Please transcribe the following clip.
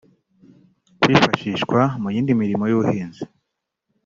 kwifashishwa mu yindi mirimo y’ubuhinzi